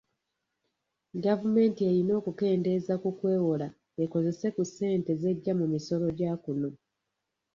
Gavumenti eyina okukeendeeza ku kwewola ekozese ku ssente z'ejja mu misolo gya kuno.